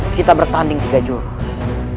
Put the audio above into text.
kita bertanding tiga jurus